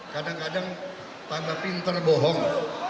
kadang kadang tambah pinter bohong